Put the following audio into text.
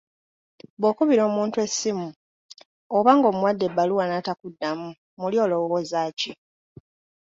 Bw'okubira omuntu essimu oba ng'omuwadde ebbaluwa n'atakuddamu, muli olowooza ki?